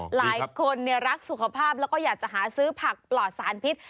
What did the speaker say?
หลายคนรักสุขภาพแล้วก็อยากจะหาซื้อผักปลอดสารพิษ